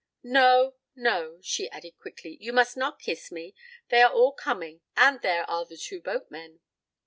"No, no," she added quickly, "you must not kiss me; they are all coming, and there are the two boatmen."